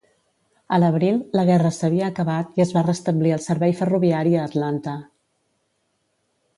A l'abril, la guerra s'havia acabat i es va restablir el servei ferroviari a Atlanta.